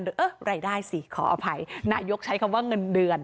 เออรายได้สิขออภัยนายกใช้คำว่าเงินเดือน